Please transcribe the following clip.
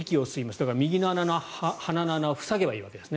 だから右の鼻の穴を塞げばいいわけですね。